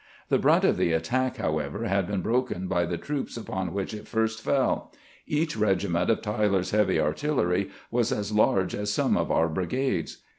The brunt of the attack, however, had been broken by the troops upon which it first fell. Each regiment of Tyler's heavy artillery was as large as some of our brigades.